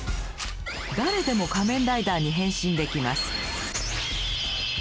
誰でも仮面ライダーに変身できます。